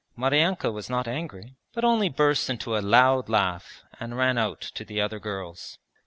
Maryanka was not angry, but only burst into a loud laugh and ran out to the other girls.